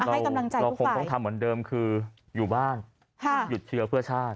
เราคงต้องทำเหมือนเดิมคืออยู่บ้านหยุดเชื้อเพื่อชาติ